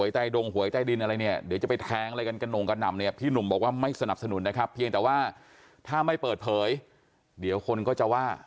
ใต้ดงหวยใต้ดินอะไรเนี่ยเดี๋ยวจะไปแทงอะไรกันกระหน่งกระหน่ำเนี่ยพี่หนุ่มบอกว่าไม่สนับสนุนนะครับเพียงแต่ว่าถ้าไม่เปิดเผยเดี๋ยวคนก็จะว่า